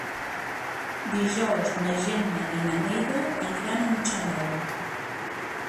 Dijous na Gemma i na Neida aniran a Mutxamel.